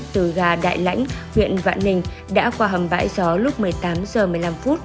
từ gà đại lãnh huyện vạn ninh đã qua hầm bãi gió lúc một mươi tám h một mươi năm